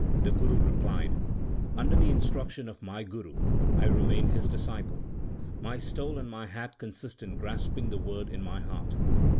The Guru replied : Under the instructions of my Guru 1 I remain His disciple. My stole and my hat consist in grasping the Word in my heart.